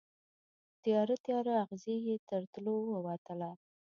تیاره، تیاره اغزې یې تر تلو ووتله